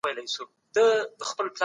بې طرفي د هر ډول تبعیض ضد ده.